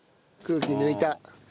空気抜いた。